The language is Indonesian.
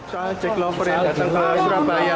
soal jack lovers yang datang ke surabaya